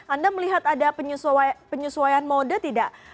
anda melihat ada penyesuaian mode tidak